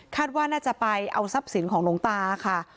ว่าน่าจะไปเอาทรัพย์สินของหลวงตาค่ะ